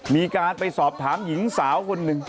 มีการไปสอบถามหญิงสาวคนหนึ่ง